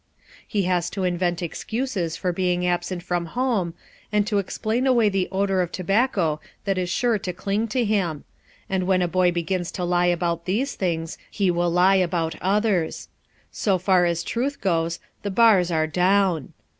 He has to invent excuses for being absent from home, and to explain away the odor of tobacco that is sure to cling to him; and when a boy begins to lie about these things, he will lie about others. So far as truth goes, the bars are down.